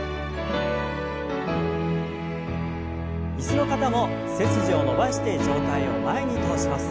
椅子の方も背筋を伸ばして上体を前に倒します。